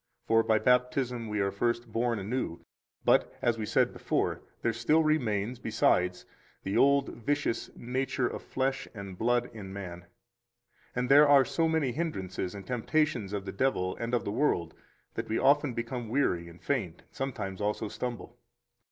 For by Baptism we are first born anew; but (as we said before) there still remains, besides, the old vicious nature of flesh and blood in man, and there are so many hindrances and temptations of the devil and of the world that we often become weary and faint, and sometimes also stumble.